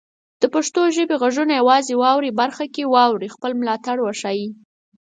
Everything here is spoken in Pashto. د پښتو ژبې غږونه یوازې د "واورئ" برخه کې واورئ، خپل ملاتړ وښایئ.